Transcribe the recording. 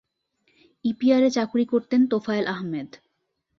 ইপিআরে চাকুরি করতেন তোফায়েল আহমেদ।